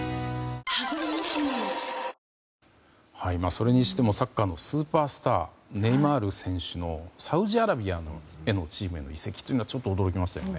それにしてもサッカーのスーパースターネイマール選手のサウジアラビアのチームへの移籍というのは驚きましたね。